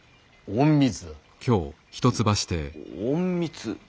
隠密！？